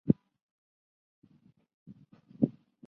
森图塞是巴西巴伊亚州的一个市镇。